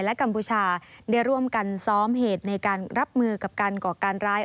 และกัมพูชาได้ร่วมกันซ้อมเหตุในการรับมือกับการก่อการร้าย